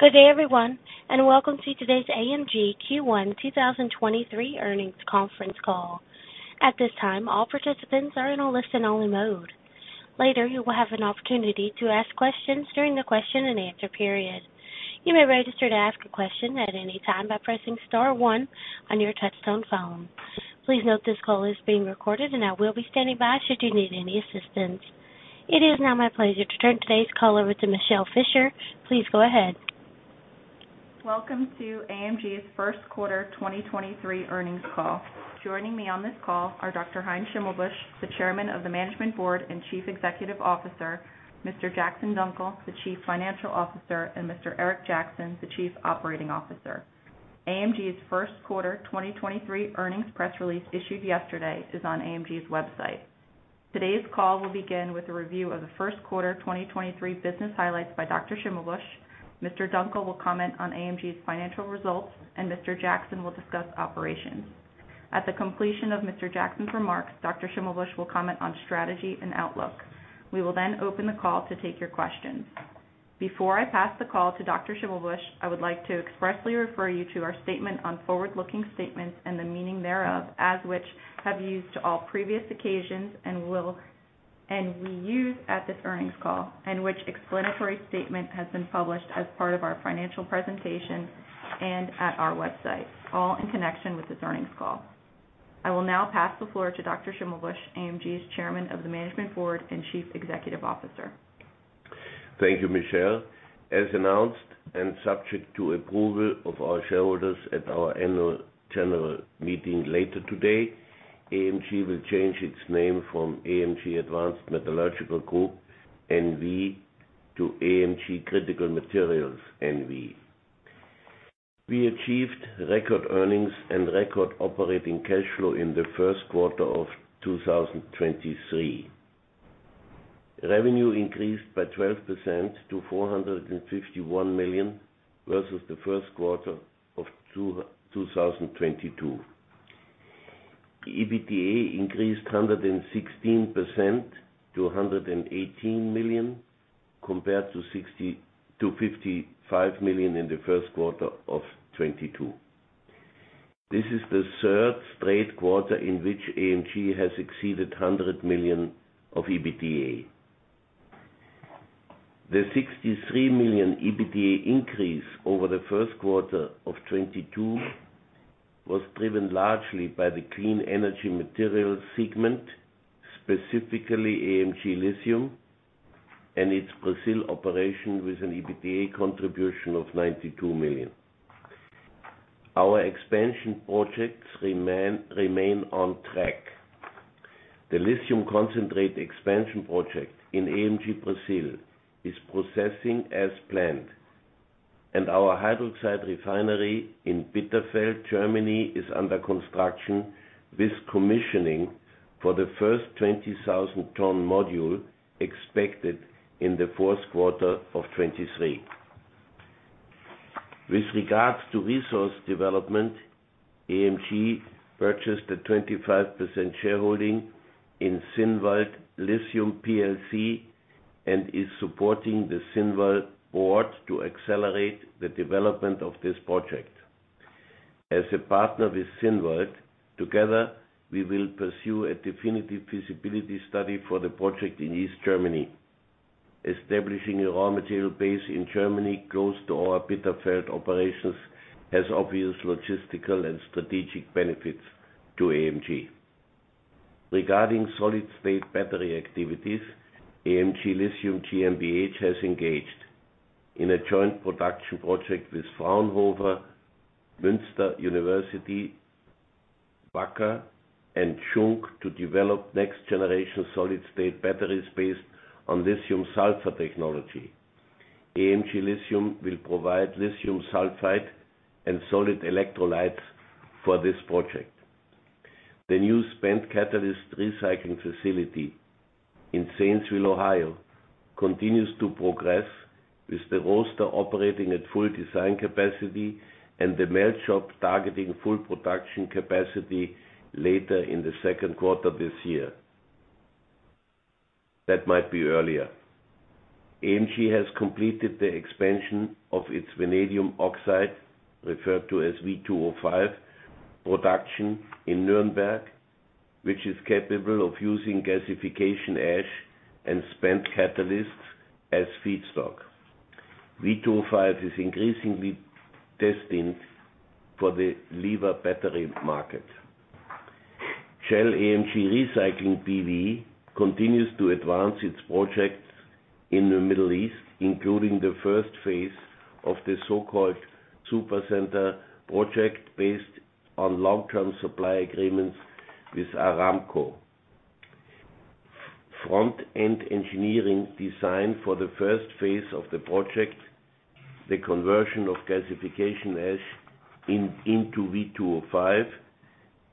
Good day, everyone, and welcome to today's AMG Q1 2023 earnings conference call. At this time, all participants are in a listen-only mode. Later, you will have an opportunity to ask questions during the question and answer period. You may register to ask a question at any time by pressing star one on your touchtone phone. Please note this call is being recorded and I will be standing by should you need any assistance. It is now my pleasure to turn today's call over to Michele Fischer. Please go ahead. Welcome to AMG's first quarter 2023 earnings call. Joining me on this call are Dr. Heinz Schimmelbusch, the Chairman of the Management Board and Chief Executive Officer, Mr. Jackson Dunckel, the Chief Financial Officer, and Mr. Eric Jackson, the Chief Operating Officer. AMG's first quarter 2023 earnings press release issued yesterday is on AMG's website. Today's call will begin with a review of the first quarter 2023 business highlights by Dr. Schimmelbusch. Mr. Dunckel will comment on AMG's financial results. Mr. Jackson will discuss operations. At the completion of Mr. Jackson's remarks, Dr. Schimmelbusch will comment on strategy and outlook. We will then open the call to take your questions. Before I pass the call to Dr. Schimmelbusch, I would like to expressly refer you to our statement on forward-looking statements and the meaning thereof, as which have used all previous occasions and we use at this earnings call, and which explanatory statement has been published as part of our financial presentation and at our website, all in connection with this earnings call. I will now pass the floor to Dr. Schimmelbusch, AMG's Chairman of the Management Board and Chief Executive Officer. Thank you, Michele. As announced and subject to approval of our shareholders at our annual general meeting later today, AMG will change its name from AMG Advanced Metallurgical Group N.V. to AMG Critical Materials N.V. We achieved record earnings and record operating cash flow in the first quarter of 2023. Revenue increased by 12% to $451 million versus the first quarter of 2022. EBITDA increased 116 to $118 million compared to $55 million in the first quarter of 2022. This is the third straight quarter in which AMG has exceeded $100 million of EBITDA. The $63 million EBITDA increase over the first quarter of 2022 was driven largely by the Clean Energy Materials segment, specifically AMG Lithium and its Brazil operation with an EBITDA contribution of $92 million. Our expansion projects remain on track. The lithium concentrate expansion project in AMG Brazil is processing as planned, and our hydroxide refinery in Bitterfeld, Germany is under construction, with commissioning for the first 20,000 ton module expected in the fourth quarter of 2023. With regards to resource development, AMG purchased a 25% shareholding in Zinnwald Lithium PLC and is supporting the Zinnwald board to accelerate the development of this project. As a partner with Zinnwald, together, we will pursue a definitive feasibility study for the project in East Germany. Establishing a raw material base in Germany close to our Bitterfeld operations has obvious logistical and strategic benefits to AMG. Regarding solid-state battery activities, AMG Lithium GmbH has engaged in a joint production project with Fraunhofer, Münster University, Wacker, and Schunk to develop next-generation solid-state batteries based on lithium-sulfur technology. AMG Lithium will provide lithium sulfide and solid electrolytes for this project. The new spent catalyst recycling facility in Zanesville, Ohio, continues to progress, with the roaster operating at full design capacity and the melt shop targeting full production capacity later in the second quarter this year. That might be earlier. AMG has completed the expansion of its vanadium oxide, referred to as V2O5, production in Nürnberg, which is capable of using gasification ash and spent catalysts as feedstock. V2O5 is increasingly destined for the flow battery market. Shell & AMG Recycling B.V continues to advance its projects in the Middle East, including the first phase of the so-called Supercenter project based on long-term supply agreements with Aramco. Front-end engineering design for the first phase of the project, the conversion of gasification ash into V2O5,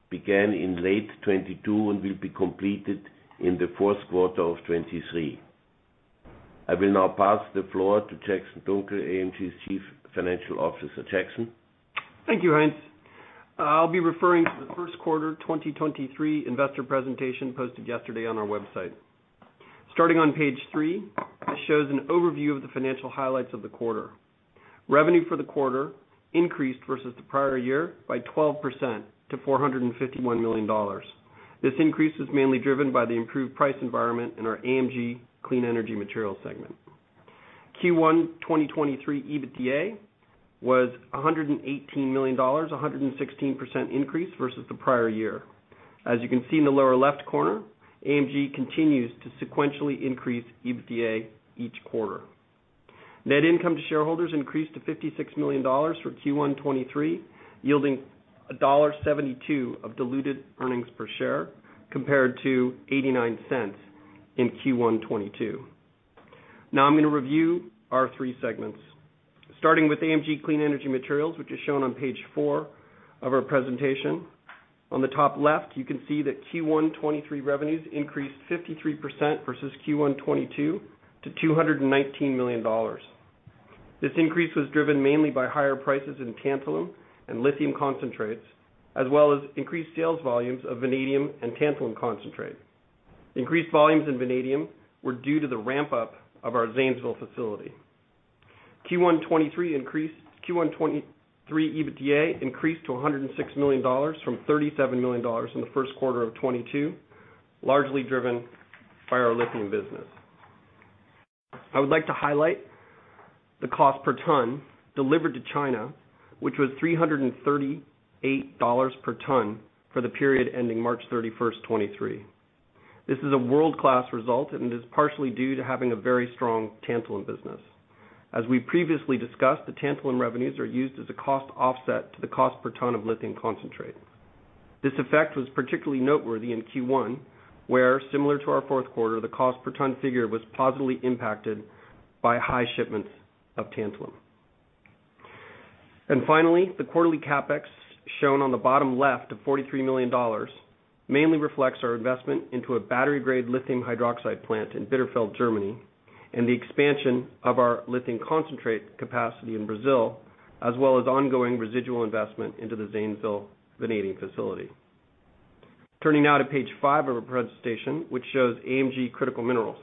began in late 2022 and will be completed in the 4Q 2023. I will now pass the floor to Jackson Dunckel, AMG's Chief Financial Officer. Jackson? Thank you, Heinz. I'll be referring to the first quarter 2023 investor presentation posted yesterday on our website. Starting on page 3, this shows an overview of the financial highlights of the quarter. Revenue for the quarter increased versus the prior year by 12% to $451 million. This increase was mainly driven by the improved price environment in our AMG Clean Energy Materials segment. Q1 2023 EBITDA was $118 million, a 116% increase versus the prior year. As you can see in the lower left corner, AMG continues to sequentially increase EBITDA each quarter. Net income to shareholders increased to $56 million for Q1 2023, yielding a $1.72 of diluted earnings per share, compared to $0.89 in Q1 2022. Now I'm gonna review our three segments. Starting with AMG Clean Energy Materials, which is shown on page four of our presentation. On the top left, you can see that Q1 2023 revenues increased 53% versus Q1 2022 to $219 million. This increase was driven mainly by higher prices in tantalum and lithium concentrates, as well as increased sales volumes of vanadium and tantalum concentrate. Increased volumes in vanadium were due to the ramp-up of our Zanesville facility. Q1 2023 EBITDA increased to $106 million from $37 million in the first quarter of 2022, largely driven by our lithium business. I would like to highlight the cost per ton delivered to China, which was $338 per ton for the period ending March 31, 2023. This is a world-class result, and it is partially due to having a very strong tantalum business. As we previously discussed, the tantalum revenues are used as a cost offset to the cost per ton of lithium concentrate. This effect was particularly noteworthy in Q1, where, similar to our fourth quarter, the cost per ton figure was positively impacted by high shipments of tantalum. Finally, the quarterly CapEx, shown on the bottom left of $43 million, mainly reflects our investment into a battery-grade lithium hydroxide plant in Bitterfeld, Germany, and the expansion of our lithium concentrate capacity in Brazil, as well as ongoing residual investment into the Zanesville vanadium facility. Turning now to page five of our presentation, which shows AMG Critical Minerals.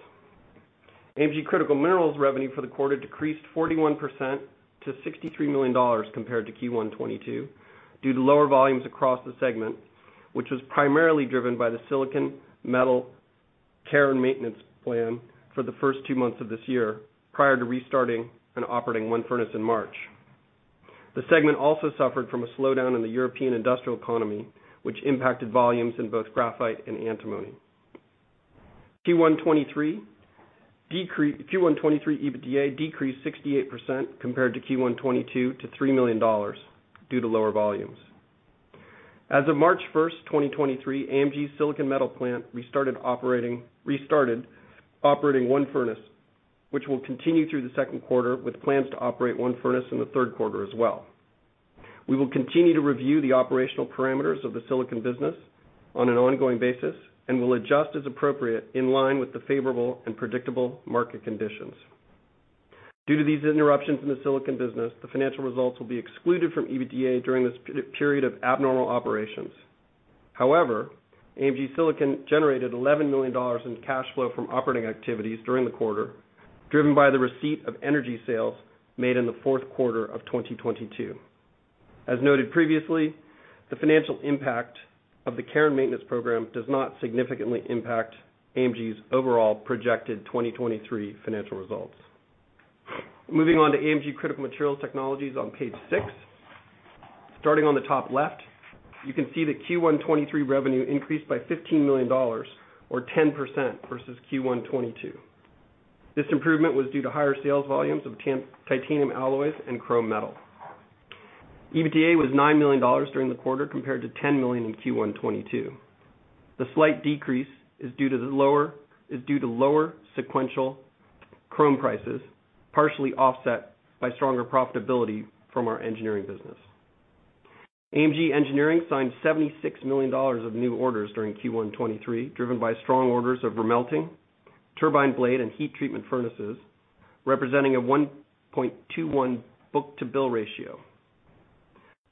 AMG Critical Minerals revenue for the quarter decreased 41% to $63 million compared to Q1 2022 due to lower volumes across the segment, which was primarily driven by the silicon metal care and maintenance plan for the first 2 months of this year, prior to restarting and operating 1 furnace in March. The segment also suffered from a slowdown in the European industrial economy, which impacted volumes in both graphite and antimony. Q1 2023 EBITDA decreased 68% compared to Q1 2022 to $3 million due to lower volumes. As of March 1, 2023, AMG's silicon metal plant restarted operating 1 furnace, which will continue through the second quarter, with plans to operate 1 furnace in the third quarter as well. We will continue to review the operational parameters of the silicon business on an ongoing basis and will adjust as appropriate in line with the favorable and predictable market conditions. Due to these interruptions in the silicon business, the financial results will be excluded from EBITDA during this period of abnormal operations. However, AMG Silicon generated $11 million in cash flow from operating activities during the quarter, driven by the receipt of energy sales made in the 4th quarter of 2022. As noted previously, the financial impact of the care and maintenance program does not significantly impact AMG's overall projected 2023 financial results. Moving on to AMG Critical Materials Technologies on page 6. Starting on the top left, you can see that Q1 2023 revenue increased by $15 million or 10% versus Q1 2022. This improvement was due to higher sales volumes of titanium alloys and chrome metal. EBITDA was $9 million during the quarter compared to $10 million in Q1 2022. The slight decrease is due to lower sequential chrome prices, partially offset by stronger profitability from our AMG Engineering business. AMG Engineering signed $76 million of new orders during Q1 2023, driven by strong orders of remelting, turbine blade, and heat treatment furnaces, representing a 1.21 book-to-bill ratio.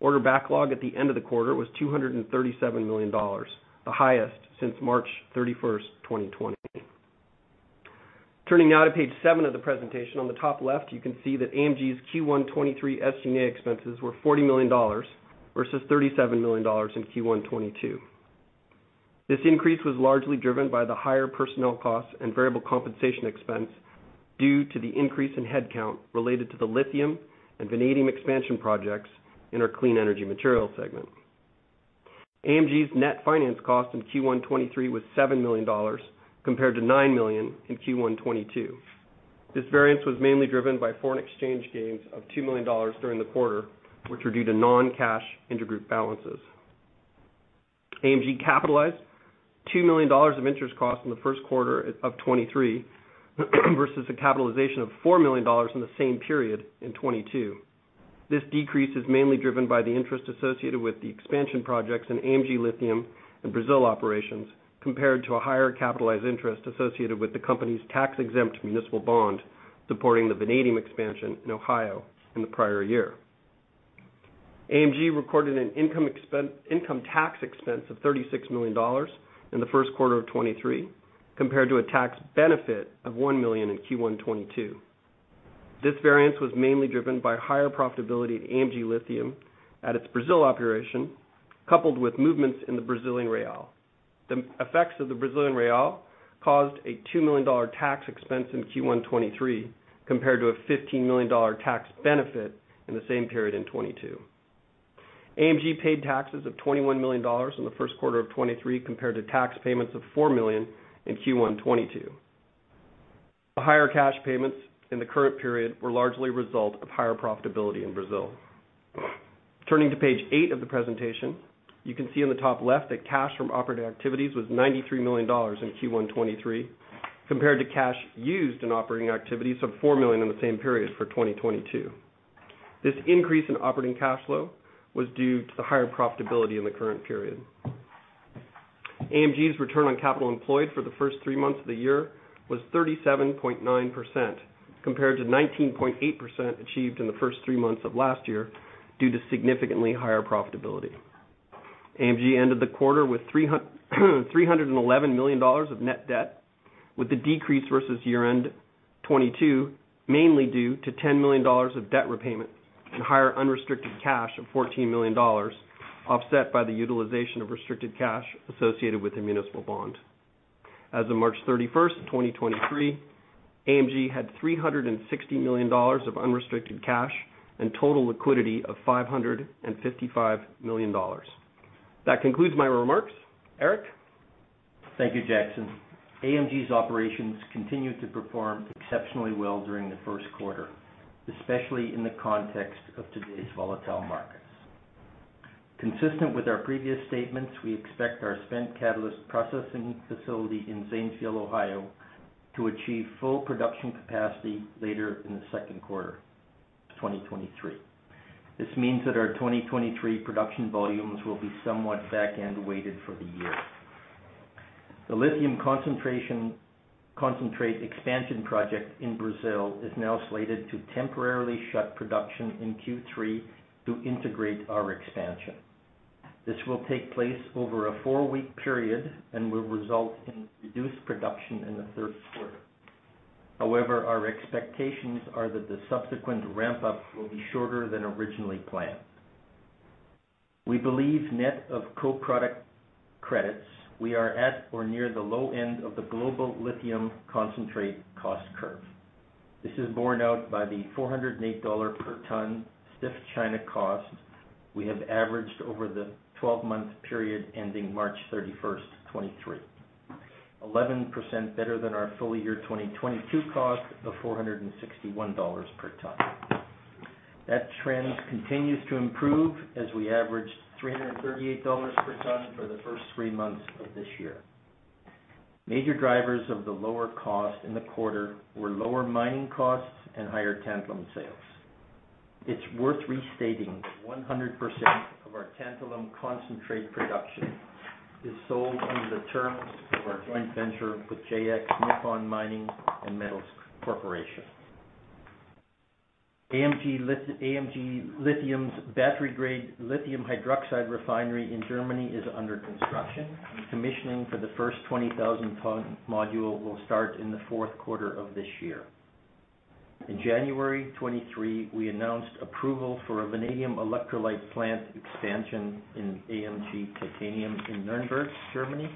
Order backlog at the end of the quarter was $237 million, the highest since March 31, 2020. Turning now to page 7 of the presentation. On the top left, you can see that AMG's Q1 2023 SG&A expenses were $40 million, versus $37 million in Q1 2022. This increase was largely driven by the higher personnel costs and variable compensation expense due to the increase in headcount related to the lithium and vanadium expansion projects in our AMG Clean Energy Materials segment. AMG's net finance cost in Q1 2023 was $7 million, compared to $9 million in Q1 2022. This variance was mainly driven by foreign exchange gains of $2 million during the quarter, which were due to non-cash intergroup balances. AMG capitalized $2 million of interest costs in the first quarter of 2023 versus a capitalization of $4 million in the same period in 2022. This decrease is mainly driven by the interest associated with the expansion projects in AMG Lithium and Brazil operations, compared to a higher capitalized interest associated with the company's tax-exempt municipal bond supporting the vanadium expansion in Ohio in the prior year. AMG recorded an income tax expense of $36 million in the first quarter of 2023, compared to a tax benefit of $1 million in Q1 2022. This variance was mainly driven by higher profitability at AMG Lithium at its Brazil operation, coupled with movements in the Brazilian real. The effects of the Brazilian real caused a $2 million tax expense in Q1 2023, compared to a $15 million tax benefit in the same period in 2022. AMG paid taxes of $21 million in the first quarter of 2023, compared to tax payments of $4 million in Q1 2022. The higher cash payments in the current period were largely a result of higher profitability in Brazil. Turning to page eight of the presentation, you can see on the top left that cash from operating activities was $93 million in Q1 2023, compared to cash used in operating activities of $4 million in the same period for 2022. This increase in operating cash flow was due to the higher profitability in the current period. AMG's return on capital employed for the first three months of the year was 37.9%, compared to 19.8% achieved in the first three months of last year due to significantly higher profitability. AMG ended the quarter with $311 million of net debt, with the decrease versus year-end 2022 mainly due to $10 million of debt repayment and higher unrestricted cash of $14 million, offset by the utilization of restricted cash associated with the municipal bond. As of March 31, 2023, AMG had $360 million of unrestricted cash and total liquidity of $555 million. That concludes my remarks. Eric? Thank you, Jackson. AMG's operations continued to perform exceptionally well during the first quarter, especially in the context of today's volatile markets. Consistent with our previous statements, we expect our spent catalyst processing facility in Zanesville, Ohio, to achieve full production capacity later in the second quarter of 2023. This means that our 2023 production volumes will be somewhat back-end-weighted for the year. The lithium concentrate expansion project in Brazil is now slated to temporarily shut production in Q3 to integrate our expansion. This will take place over a four-week period and will result in reduced production in the third quarter. Our expectations are that the subsequent ramp up will be shorter than originally planned. We believe net of co-product credits, we are at or near the low end of the global lithium concentrate cost curve. This is borne out by the $408 per ton CIF China cost we have averaged over the 12-month period ending March 31, 2023. 11% better than our full year 2022 cost of $461 per ton. That trend continues to improve as we averaged $338 per ton for the first three months of this year. Major drivers of the lower cost in the quarter were lower mining costs and higher tantalum sales. It's worth restating that 100% of our tantalum concentrate production is sold under the terms of our joint venture with JX Nippon Mining & Metals Corporation. AMG Lithium's battery-grade lithium hydroxide refinery in Germany is under construction, and commissioning for the first 20,000 ton module will start in the fourth quarter of this year. In January 2023, we announced approval for a vanadium electrolyte plant expansion in AMG Titanium in Nürnberg, Germany.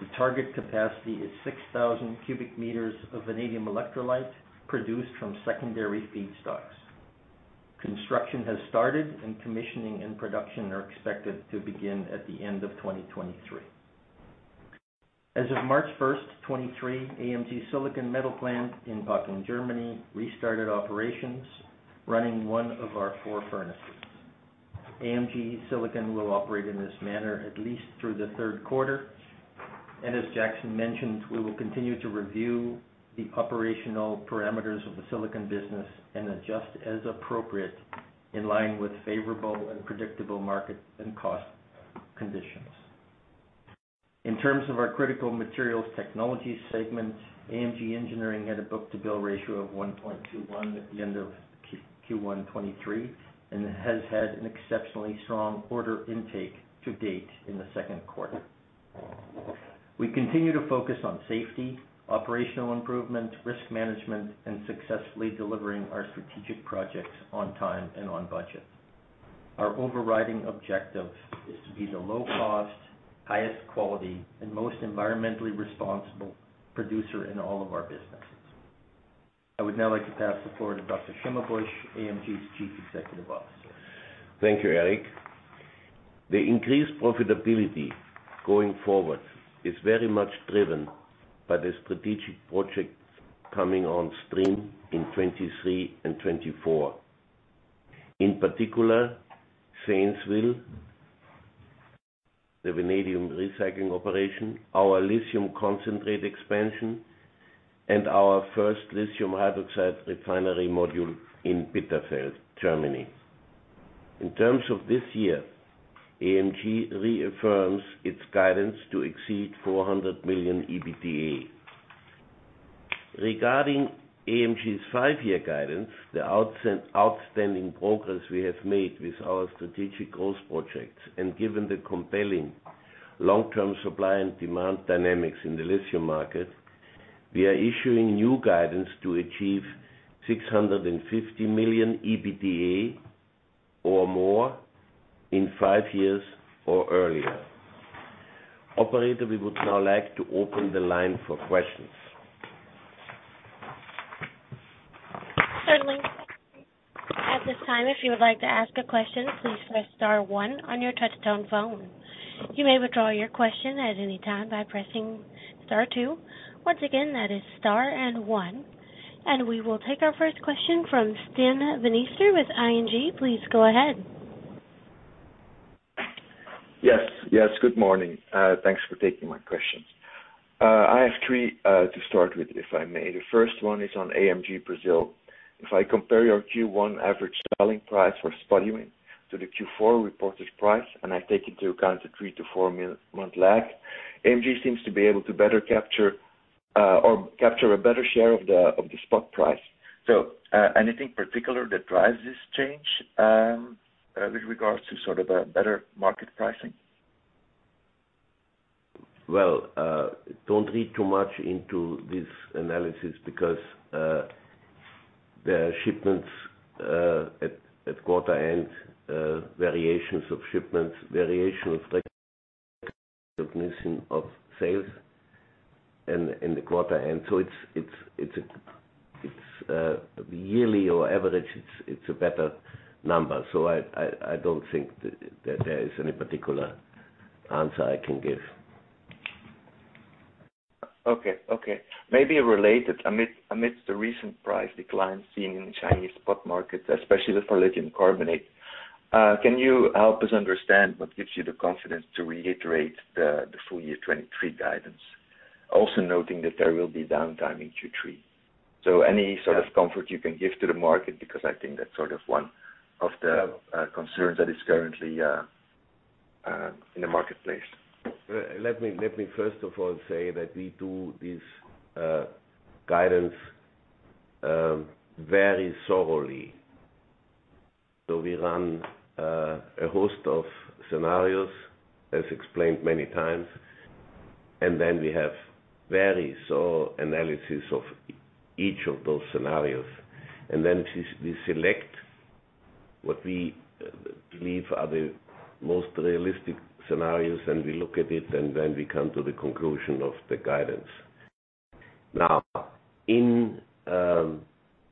The target capacity is 6,000 cubic meters of vanadium electrolyte produced from secondary feedstocks. Construction has started. Commissioning and production are expected to begin at the end of 2023. As of March 1, 2023, AMG Silicon Metal Plant in Pocking, Germany restarted operations, running 1 of our 4 furnaces. AMG Silicon will operate in this manner at least through the third quarter. As Jackson mentioned, we will continue to review the operational parameters of the silicon business and adjust as appropriate in line with favorable and predictable market and cost conditions. In terms of our Critical Materials Technologies segment, AMG Engineering had a book-to-bill ratio of 1.21 at the end of Q1 2023, and has had an exceptionally strong order intake to date in the second quarter. We continue to focus on safety, operational improvement, risk management, and successfully delivering our strategic projects on time and on budget. Our overriding objective is to be the low cost, highest quality, and most environmentally responsible producer in all of our businesses. I would now like to pass the floor to Dr. Schimmelbusch, AMG's Chief Executive Officer. Thank you, Eric. The increased profitability going forward is very much driven by the strategic projects coming on stream in 2023 and 2024. In particular, Zanesville, the vanadium recycling operation, our lithium concentrate expansion, and our first lithium hydroxide refinery module in Bitterfeld, Germany. In terms of this year, AMG reaffirms its guidance to exceed $400 million EBITDA. Regarding AMG's five-year guidance, the outstanding progress we have made with our strategic growth projects and given the compelling long-term supply and demand dynamics in the lithium market, we are issuing new guidance to achieve $650 million EBITDA or more in five years or earlier. Operator, we would now like to open the line for questions. Certainly. At this time, if you would like to ask a question, please press star one on your touchtone phone. You may withdraw your question at any time by pressing star two. Once again, that is star and one. We will take our first question from Stijn Demeester with ING. Please go ahead. Yes. Yes, good morning. Thanks for taking my questions. I have three to start with, if I may. The first one is on AMG Brazil. If I compare your Q1 average selling price for spodumene to the Q4 reported price, and I take into account the three to four month lag, AMG seems to be able to better capture, or capture a better share of the spot price. Anything particular that drives this change with regards to sort of a better market pricing? Well, don't read too much into this analysis because the shipments, at quarter end, variations of shipments, variations like of sales in the quarter end. It's yearly or average, it's a better number. I don't think that there is any particular answer I can give. Okay. Okay. Maybe related. Amidst the recent price declines seen in Chinese spot markets, especially for lithium carbonate, can you help us understand what gives you the confidence to reiterate the full year 2023 guidance? Also noting that there will be downtime in Q3. Any sort of comfort you can give to the market, because I think that's sort of one of the concerns that is currently in the marketplace. Let me first of all say that we do this guidance very thoroughly. We run a host of scenarios, as explained many times, and then we have very thorough analysis of each of those scenarios. We select what we believe are the most realistic scenarios, and we look at it, and then we come to the conclusion of the guidance. In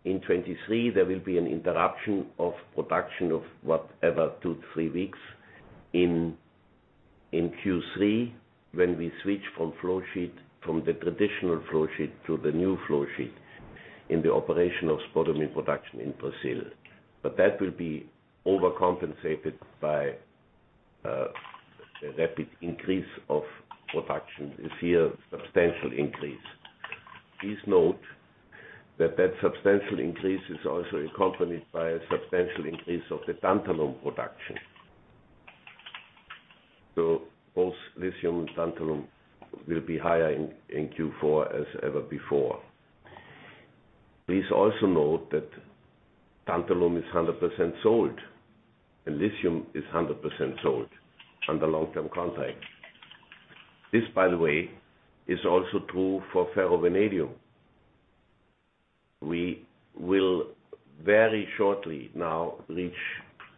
2023, there will be an interruption of production of what, about 2 to 3 weeks in Q3, when we switch from flowsheet, from the traditional flowsheet to the new flowsheet in the operation of spodumene production in Brazil. That will be overcompensated by a rapid increase of production this year, substantial increase. Please note that substantial increase is also accompanied by a substantial increase of the tantalum production. Both lithium and tantalum will be higher in Q4 as ever before. Please also note that tantalum is 100% sold, and lithium is 100% sold under long-term contract. This, by the way, is also true for ferrovanadium. We will very shortly now reach.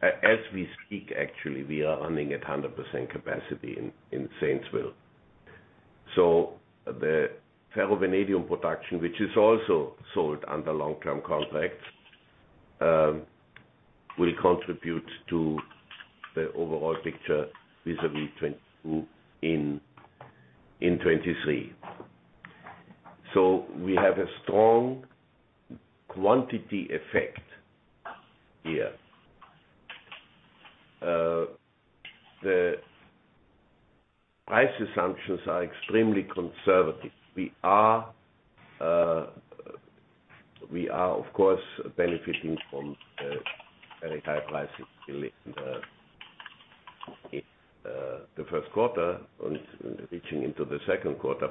As we speak, actually, we are running at 100% capacity in Zanesville. The ferrovanadium production, which is also sold under long-term contracts, will contribute to the overall picture in 2023. We have a strong quantity effect here. The price assumptions are extremely conservative. We are of course benefiting from very high prices still in the first quarter reaching into the second quarter.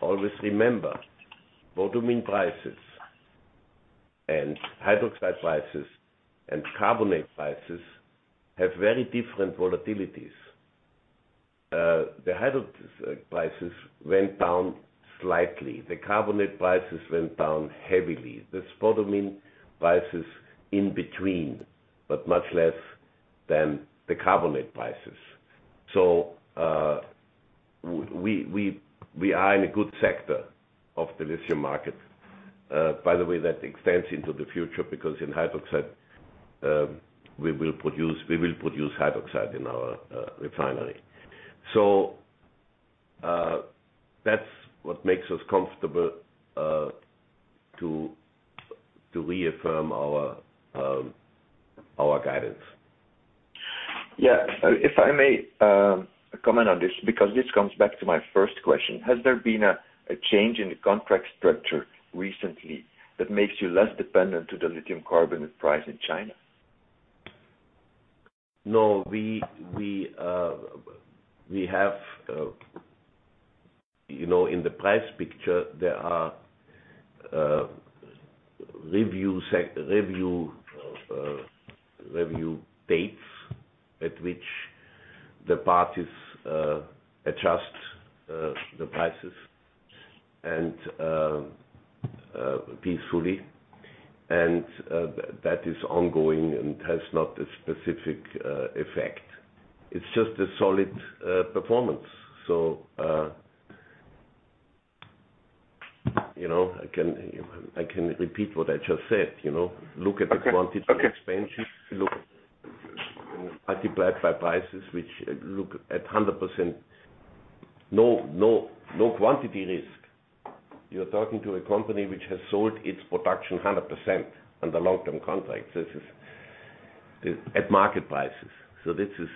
Always remember, spodumene prices and hydroxide prices and carbonate prices have very different volatilities. The hydroxide prices went down slightly. The carbonate prices went down heavily. The spodumene price is in between, but much less than the carbonate prices. We are in a good sector of the lithium market, by the way, that extends into the future because in hydroxide, we will produce hydroxide in our refinery. That's what makes us comfortable to reaffirm our guidance. Yeah. If I may comment on this, because this comes back to my first question. Has there been a change in the contract structure recently that makes you less dependent to the lithium carbonate price in China? No. We have, you know, in the price picture, there are review dates at which the parties adjust the prices and peacefully. That is ongoing and has not a specific effect. It's just a solid performance. You know, I can repeat what I just said, you know. Look at the- Okay. Quantity expansion. Look at multiplied by prices which look at 100%. No, no quantity risk. You're talking to a company which has sold its production 100% under long-term contracts. This is at market prices. This is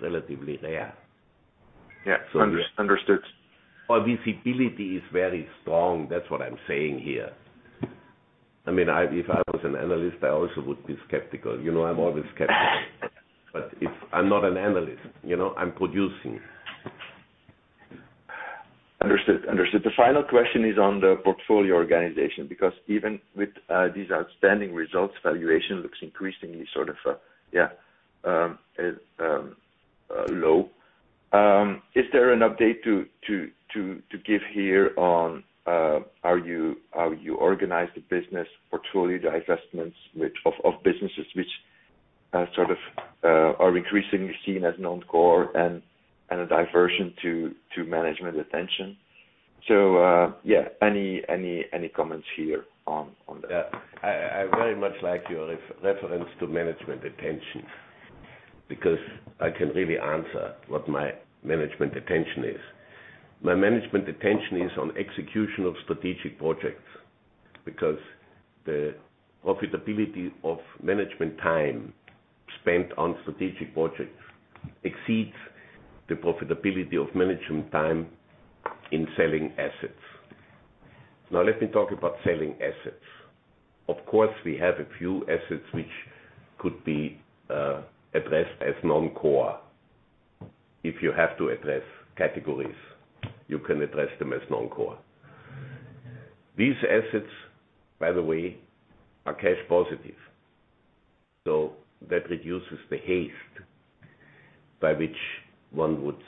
relatively rare. Yeah. Under-understood. Our visibility is very strong. That's what I'm saying here. I mean, if I was an analyst, I also would be skeptical. You know, I'm always skeptical. If I'm not an analyst, you know, I'm producing. Understood. Understood. The final question is on the portfolio organization, because even with these outstanding results, valuation looks increasingly sort of, yeah, it, low. Is there an update to give here on how you organize the business portfolio divestments of businesses which, sort of, are increasingly seen as non-core and a diversion to management attention. Yeah, any comments here on that? I very much like your reference to management attention because I can really answer what my management attention is. My management attention is on execution of strategic projects because the profitability of management time spent on strategic projects exceeds the profitability of management time in selling assets. Let me talk about selling assets. Of course, we have a few assets which could be addressed as non-core. If you have to address categories, you can address them as non-core. These assets, by the way, are cash positive, so that reduces the haste by which one would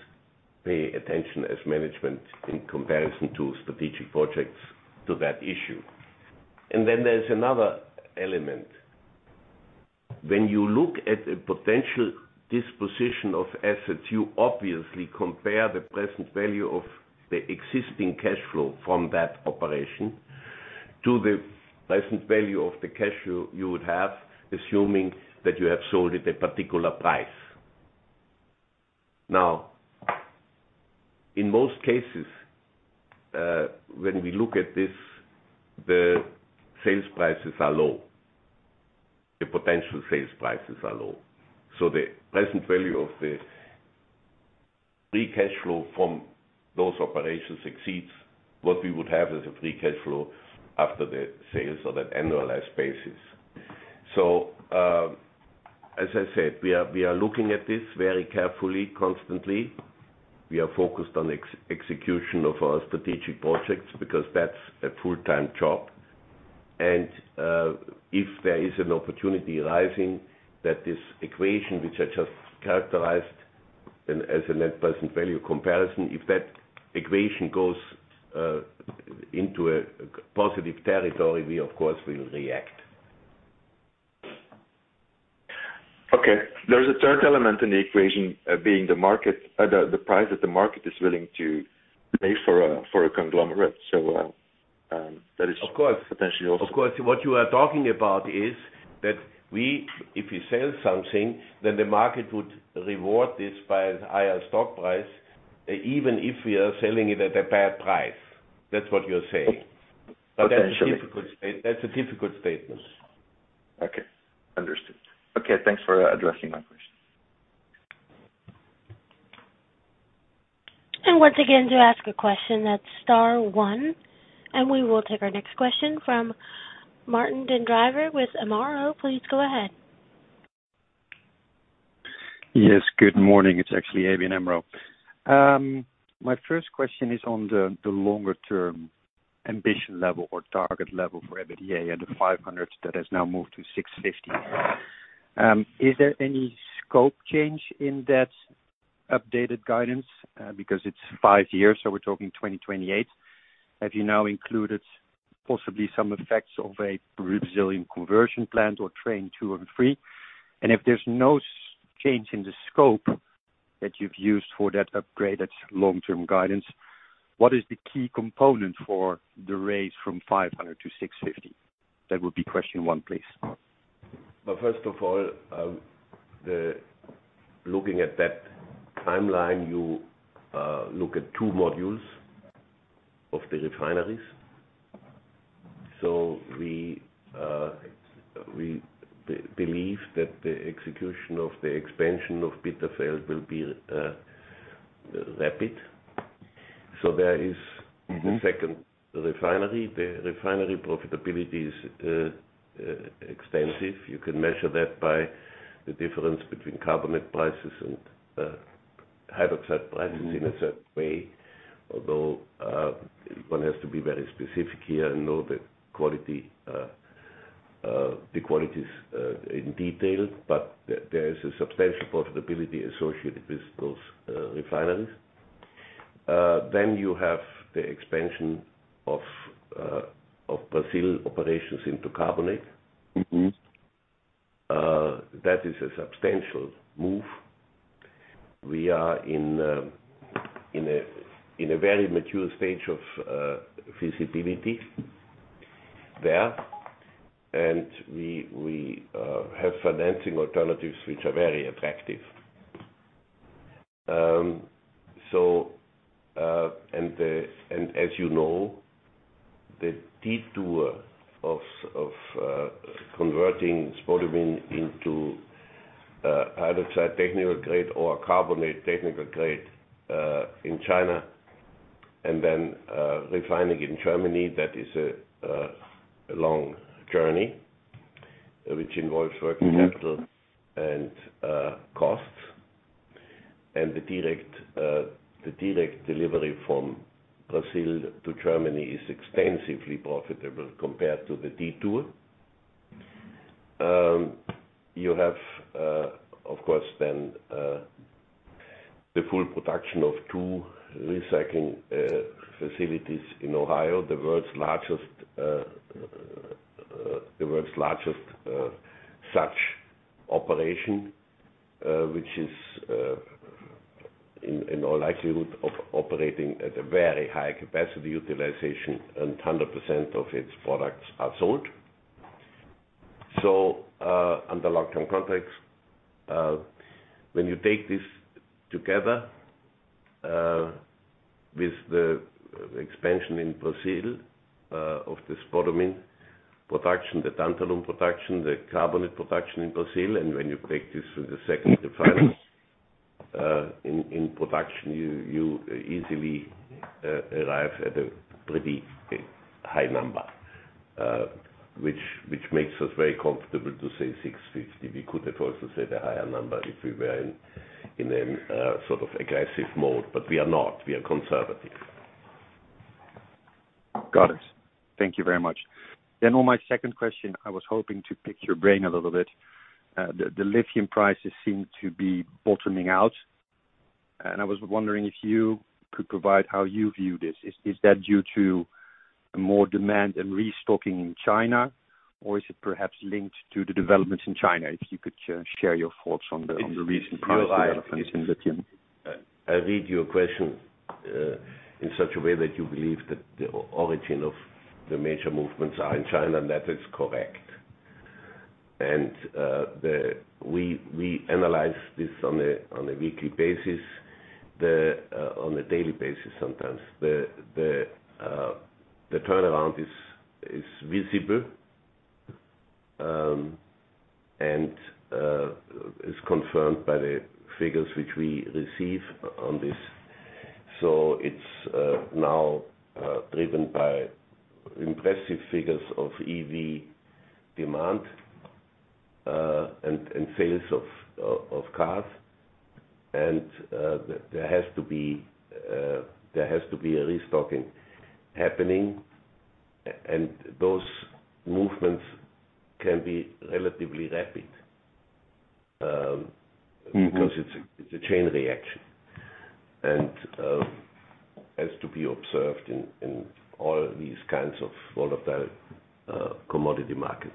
pay attention as management in comparison to strategic projects to that issue. Then there's another element. When you look at a potential disposition of assets, you obviously compare the present value of the existing cash flow from that operation to the present value of the cash flow you would have, assuming that you have sold at a particular price. Now, in most cases, when we look at this, the sales prices are low. The potential sales prices are low. The present value of the free cash flow from those operations exceeds what we would have as a free cash flow after the sales on an annualized basis. As I said, we are looking at this very carefully, constantly. We are focused on execution of our strategic projects because that's a full-time job. If there is an opportunity arising that this equation, which I just characterized as a net present value comparison, if that equation goes, into a positive territory, we of course will react. Okay. There is a third element in the equation being the price that the market is willing to pay for a conglomerate. Of course. Potentially also. Of course. What you are talking about is that if we sell something, then the market would reward this by a higher stock price, even if we are selling it at a bad price. That's what you're saying. Potentially. That's a difficult statement. Okay, understood. Okay, thanks for addressing my question. Once again, to ask a question, that's star one. We will take our next question from Martijn den Drijver with ABN AMRO. Please go ahead. Yes, good morning. It's actually ABN AMRO. My first question is on the longer-term ambition level or target level for EBITDA at the 500 that has now moved to 650. Is there any scope change in that updated guidance? Because it's 5 years, so we're talking 2028. Have you now included possibly some effects of a Brazilian conversion plant or train 2 and 3? If there's no change in the scope that you've used for that upgraded long-term guidance, what is the key component for the raise from 500 to 650? That would be question one, please. First of all, looking at that timeline, you look at two modules of the refineries. We believe that the execution of the expansion of Bitterfeld will be rapid. Mm-hmm. The second refinery. The refinery profitability is extensive. You can measure that by the difference between carbonate prices and hydroxide prices in a certain way. Although, one has to be very specific here and know the quality, the qualities, in detail. There is a substantial profitability associated with those refineries. You have the expansion of Brazil operations into carbonate. Mm-hmm. That is a substantial move. We are in a very mature stage of feasibility there. We have financing alternatives which are very attractive. As you know, the detour of converting spodumene into hydroxide technical grade or a carbonate technical grade in China and then refining in Germany, that is a long journey which involves working capital- Mm-hmm. Costs. The direct delivery from Brazil to Germany is extensively profitable compared to the detour. You have, of course, the full production of two recycling facilities in Ohio, the world's largest such operation, which is in all likelihood operating at a very high capacity utilization and 100% of its products are sold under long-term contracts. When you take this together with the expansion in Brazil of the spodumene production, the tantalum production, the carbonate production in Brazil, and when you take this with the second refinery in production, you easily arrive at a pretty high number, which makes us very comfortable to say 650. We could have also said a higher number if we were in a sort of aggressive mode, but we are not. We are conservative. Got it. Thank you very much. On my second question, I was hoping to pick your brain a little bit. The lithium prices seem to be bottoming out, and I was wondering if you could provide how you view this. Is that due to more demand and restocking in China? Or is it perhaps linked to the developments in China? If you could share your thoughts on. In your eyes. on the recent price developments in lithium. I read your question in such a way that you believe that the origin of the major movements are in China, and that is correct. We analyze this on a weekly basis. On a daily basis sometimes. The turnaround is visible, and is confirmed by the figures which we receive on this. It's now driven by impressive figures of EV demand and sales of cars. There has to be a restocking happening, and those movements can be relatively rapid. Mm-hmm. because it's a chain reaction. Has to be observed in all these kinds of volatile commodity markets.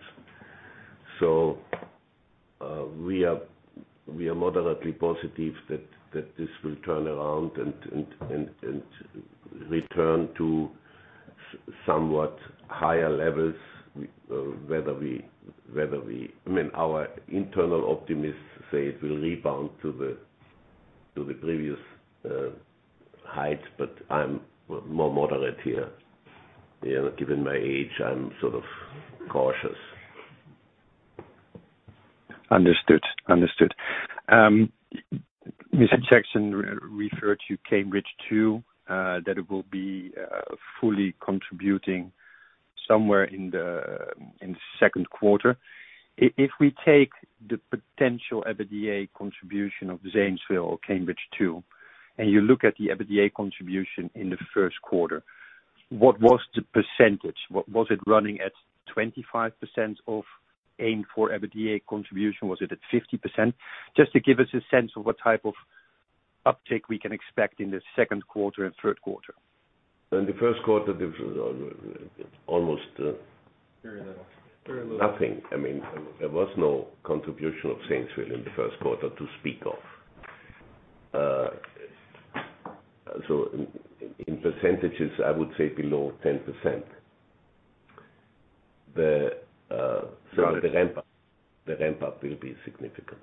We are moderately positive that this will turn around and return to somewhat higher levels, whether we. I mean our internal optimists say it will rebound to the previous heights, but I'm more moderate here. You know, given my age, I'm sort of cautious. Understood. Understood. Mr. Jackson re-referred to Cambridge 2, that it will be fully contributing somewhere in the second quarter. If we take the potential EBITDA contribution of Zanesville or Cambridge 2, and you look at the EBITDA contribution in the first quarter, what was the percentage? Was it running at 25% of aim for EBITDA contribution? Was it at 50%? Just to give us a sense of what type of uptake we can expect in the second quarter and third quarter. In the first quarter, there was almost... Very little. Very little. Nothing. I mean, there was no contribution of Zanesville in the first quarter to speak of. In, in percentages, I would say below 10%. Got it. The ramp up will be significant.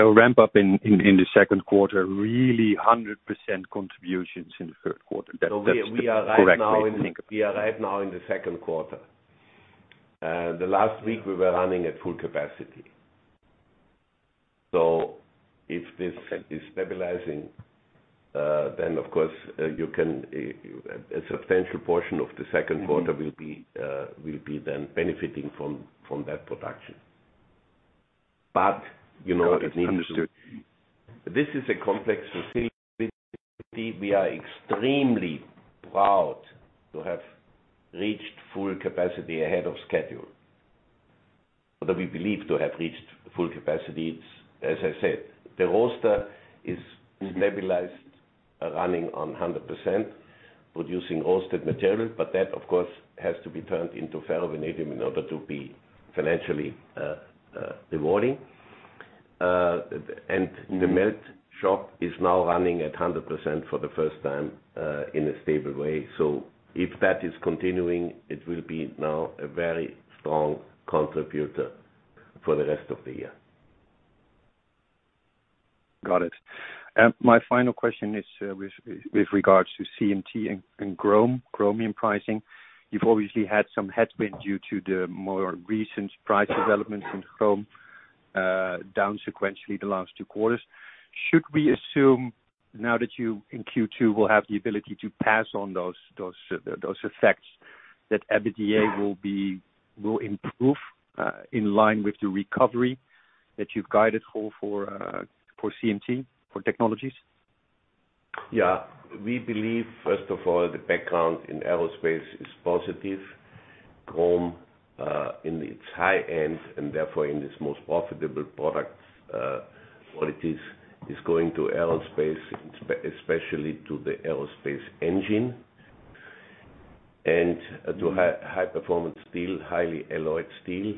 Ramp up in the second quarter, really 100% contributions in the third quarter. That's the correct way to think of it. We are right now in the second quarter. The last week we were running at full capacity. If this is stabilizing, then of course, you can a substantial portion of the second quarter. Mm-hmm. will be then benefiting from that production. you know, it needs to- Understood. This is a complex facility. We are extremely proud to have reached full capacity ahead of schedule. That we believe to have reached full capacity. As I said, the roaster is stabilized, running on 100%, producing roasted material. That, of course, has to be turned into ferrovanadium in order to be financially rewarding. Mm-hmm. The melt shop is now running at 100% for the first time, in a stable way. If that is continuing, it will be now a very strong contributor for the rest of the year. Got it. My final question is with regards to CMT and chrome, chromium pricing. You've obviously had some headwind due to the more recent price developments in chrome, down sequentially the last two quarters. Should we assume now that you, in Q2, will have the ability to pass on those effects that EBITDA will improve in line with the recovery that you've guided for CMT, for technologies? Yeah. We believe, first of all, the background in aerospace is positive. chrome in its high end, and therefore in its most profitable products, qualities, is going to aerospace, especially to the aerospace engine. To high performance steel, highly alloyed steel,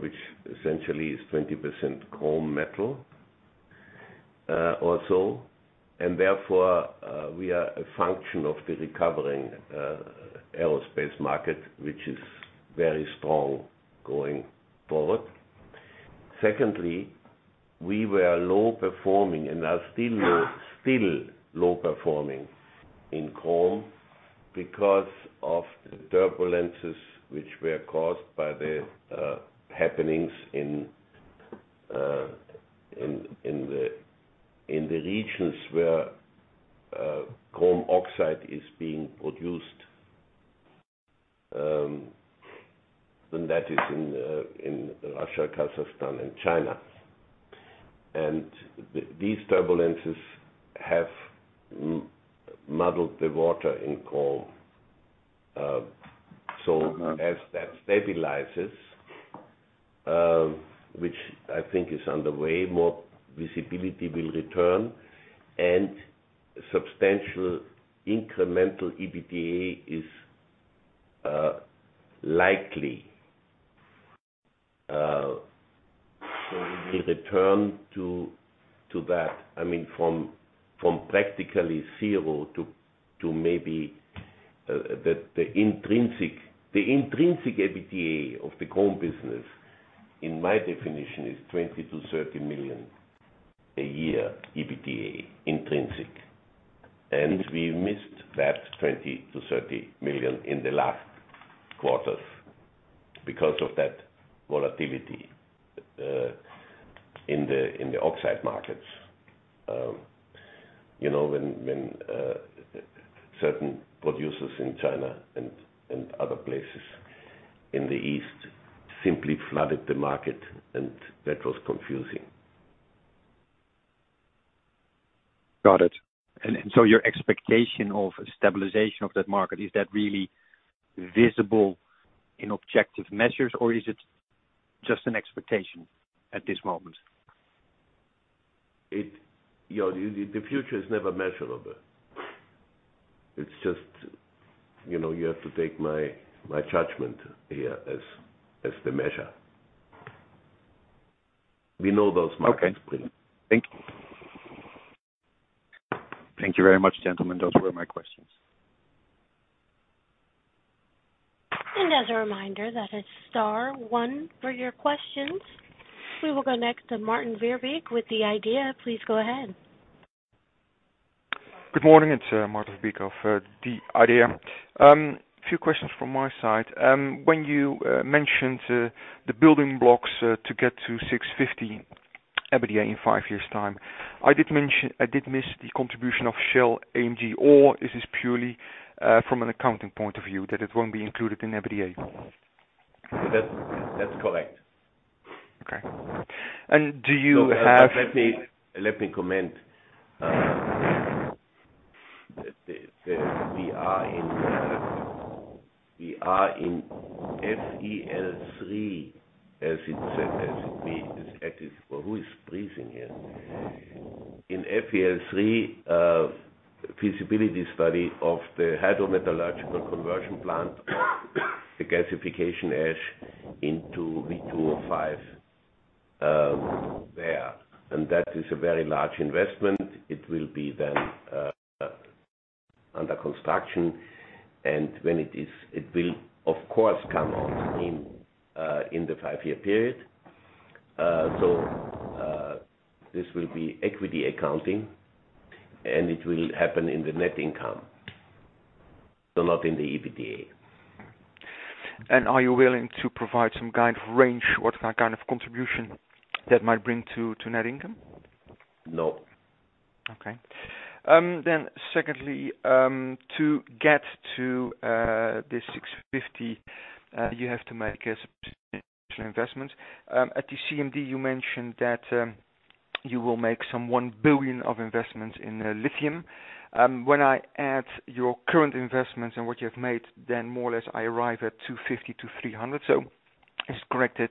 which essentially is 20% chrome metal also. We are a function of the recovering aerospace market, which is very strong going forward. Secondly, we were low performing and are still low performing in chrome because of the turbulences which were caused by the happenings in the regions where chromium oxide is being produced. That is in Russia, Kazakhstan, and China. These turbulences have muddled the water in chrome. Mm-hmm. As that stabilizes, which I think is underway, more visibility will return and substantial incremental EBITDA is likely. We will return to that. I mean, from practically 0 to maybe the intrinsic EBITDA of the chrome business, in my definition, is $20 million-$30 million a year EBITDA intrinsic. We missed that $20 million-$30 million in the last quarters because of that volatility in the oxide markets. You know, when certain producers in China and other places in the East simply flooded the market, that was confusing. Got it. Your expectation of stabilization of that market, is that really visible in objective measures, or is it just an expectation at this moment? You know, the future is never measurable. It's just, you know, you have to take my judgment here as the measure. We know those markets. Okay. Thank you. Thank you very much, gentlemen. Those were my questions. As a reminder, that is star one for your questions. We will go next to Maarten Verbeek with the IDEA!. Please go ahead. Good morning. It's Maarten Verbeek of the IDEA!. A few questions from my side. When you mentioned the building blocks to get to $650 EBITDA in five years' time, I did miss the contribution of Shell AMG, or is this purely from an accounting point of view that it won't be included in EBITDA? That's correct. Okay. Let me comment. We are in FEL 3, as it is active. Who is breathing here? In FEL 3, feasibility study of the hydrometallurgical conversion plant, the gasification ash into V2O5 there. That is a very large investment. It will be then under construction. When it is, it will of course come on in the five-year period. This will be equity accounting, and it will happen in the net income, so not in the EBITDA. Are you willing to provide some kind of range what that kind of contribution that might bring to net income? No. Okay. Secondly, to get to this 650, you have to make as investment. At the CMD, you mentioned that you will make some $1 billion of investments in lithium. When I add your current investments and what you have made, more or less I arrive at $250 million-$300 million. Is correct that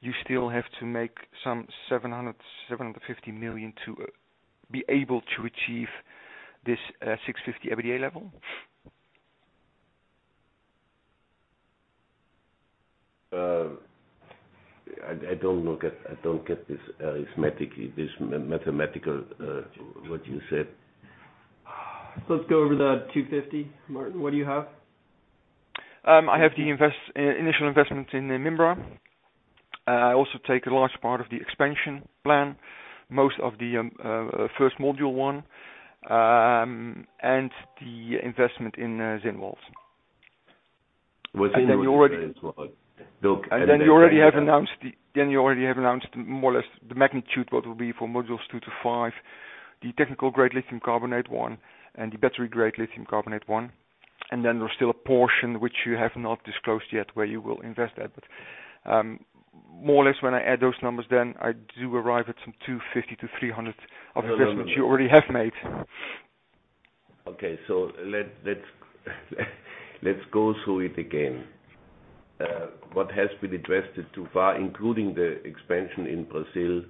you still have to make some $700 million-$750 million to be able to achieve this 650 EBITDA level? I don't get this arithmetically, this mathematical, what you said. Let's go over the 250. Maarten, what do you have? I have the initial investment in Mibra. I also take a large part of the expansion plan, most of the first module 1, and the investment in Zinnwald. Was it- You already have announced more or less the magnitude, what will be for modules two to five, the technical grade lithium carbonate one and the battery grade lithium carbonate one. There's still a portion which you have not disclosed yet where you will invest at. More or less when I add those numbers, then I do arrive at some $250 million to $300 million of investments. No, no. you already have made. Okay, let's go through it again. What has been addressed is too far, including the expansion in Brazil,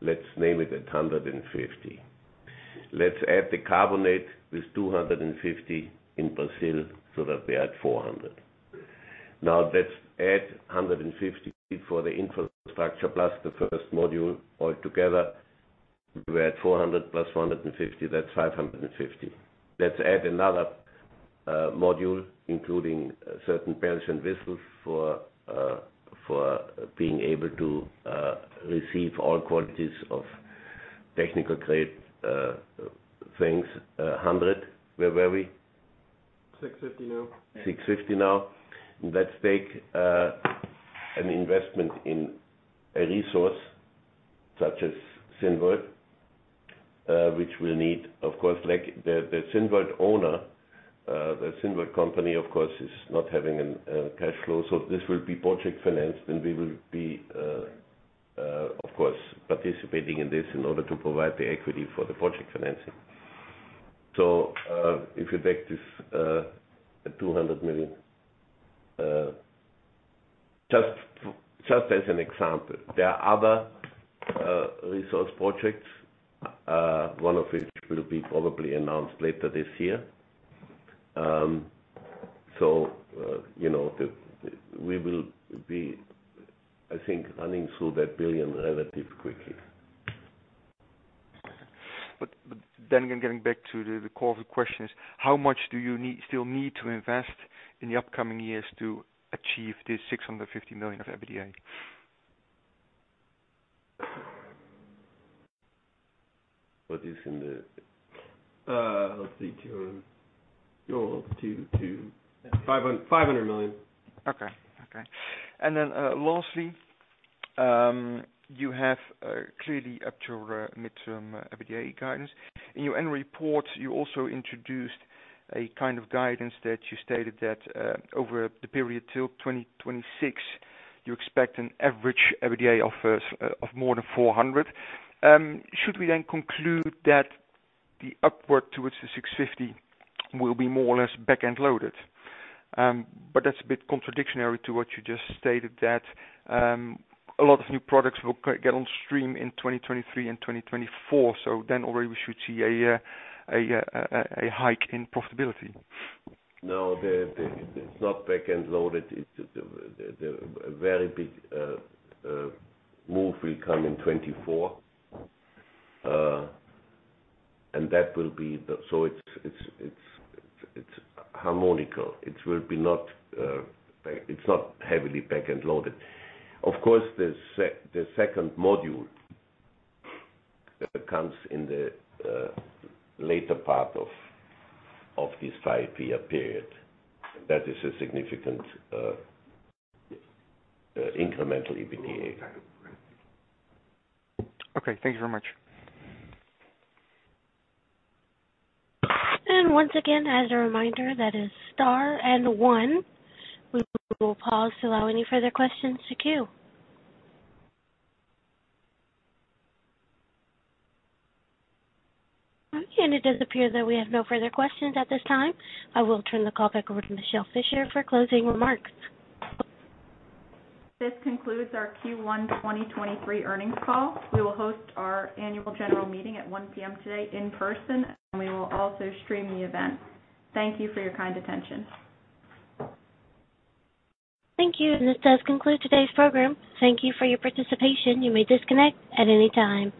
let's name it at $150. Let's add the carbonate with $250 in Brazil so that we're at $400. Let's add $150 for the infrastructure plus the first module all together. We're at $400 plus $150, that's $550. Let's add another module, including certain bells and whistles for being able to receive all qualities of technical grade things, $100. Where were we? $6.50 now. $650 now. Let's take an investment in a resource such as Zinnwald, which we'll need of course. Like the Zinnwald owner, the Zinnwald company of course is not having a cash flow. This will be project financed and we will be of course participating in this in order to provide the equity for the project financing. If you take this at $200 million just as an example. There are other resource projects, one of which will be probably announced later this year. You know, We will be, I think, running through that $1 billion relative quickly. Getting back to the core of the question is how much do you still need to invest in the upcoming years to achieve this $650 million of EBITDA? What is in the- let's see, No, 22. $500 million. Okay. Okay. Then, lastly, you have clearly up to your midterm EBITDA guidance. In your annual report, you also introduced a kind of guidance that you stated that over the period till 2026, you expect an average EBITDA of more than $400 million. Should we then conclude that the upward towards the $650 million will be more or less back-end loaded? That's a bit contradictory to what you just stated that a lot of new products will get on stream in 2023 and 2024. Then already we should see a hike in profitability. No, the it's not back-end loaded. It's a very big move will come in 2024. It's harmonical. It will be not. It's not heavily back-end loaded. Of course, the second module comes in the later part of this 5-year period. That is a significant incremental EBITDA. Okay, thank you very much. Once again, as a reminder, that is star and one. We will pause to allow any further questions to queue. Okay, it does appear that we have no further questions at this time. I will turn the call back over to Michele Fischer for closing remarks. This concludes our Q1 2023 earnings call. We will host our annual general meeting at 1 P.M. today in person, and we will also stream the event. Thank you for your kind attention. Thank you. This does conclude today's program. Thank you for your participation. You may disconnect at any time.